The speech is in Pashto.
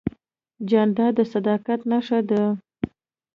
جانداد د صداقت نښه ده.